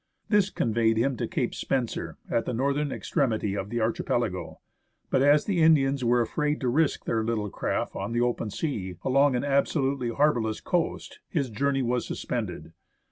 This conveyed him to Cape Spencer, at the northern extremity of the archipelago ; but as the Indians were afraid to risk their little craft on the open sea, along an absolutely harbourless coast, his journey was suspended.